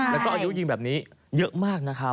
แล้วก็อายุยิงแบบนี้เยอะมากนะครับ